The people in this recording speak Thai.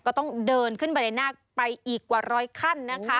ก็ต้องเดินขึ้นบันไดนาคไปอีกกว่าร้อยขั้นนะคะ